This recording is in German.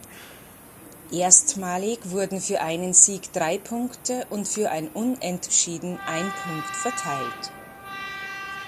Erstmalig wurden für einen Sieg drei Punkte und für ein Unentschieden ein Punkt verteilt.